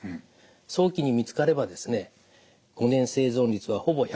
早期に見つかればですね５年生存率はほぼ１００％です。